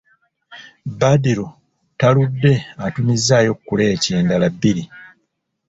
Badru taludde atumizzaayo kuleeti endala bbiri!